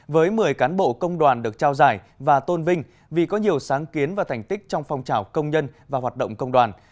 với một mươi cán bộ công đoàn được trao giải và tôn vinh vì có nhiều sáng kiến và thành tích trong phong trào công nhân và hoạt động công đoàn